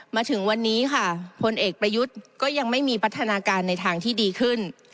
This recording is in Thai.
มาถึงวันนี้ค่ะพลเอกประยุทธ์ก็ยังไม่มีพัฒนาการในทางที่ดีขึ้น